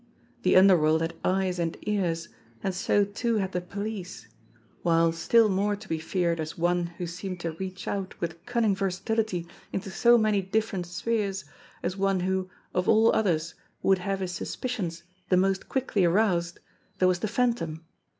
The underworld had eyes and ears, and so too had the police; while, still more to be feared as one who seemed to reach out with cunning versatility into so many different spheres, as one who, of all others, would have his suspicions the most quickly aroused, there was the Phantom.